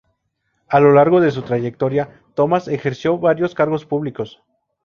A lo largo de su trayectoria, Thomas ejerció varios cargos públicos.